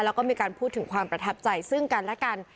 แล้วก็มีการพูดถึงความประทับใจซึ่งกันและกัน